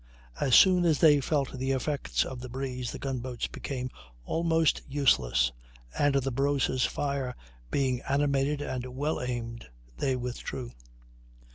As soon as they felt the effects of the breeze the gun boats became almost useless and, the Barossa's fire being animated and well aimed, they withdrew.